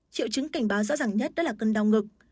triệu chứng cảnh báo rõ ràng nhất đó là cơn đau ngực